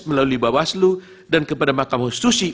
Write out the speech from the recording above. melalui bahwaslu dan kepada makam konstitusi